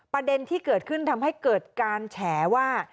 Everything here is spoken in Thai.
ประเด็นที่เกิดขึ้นทำให้เกิดการแฉว่า